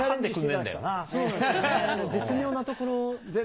絶妙なところ。